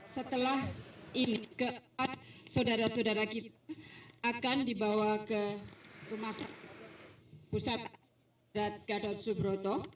setelah ini keempat saudara saudara kita akan dibawa ke rumah sakit pusat angkatan darat gatot sumbroto